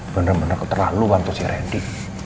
bener bener aku terlalu bantu si randy